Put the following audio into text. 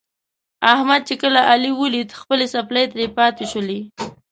احمد چې کله علي ولید خپلې څپلۍ ترې پاتې شولې.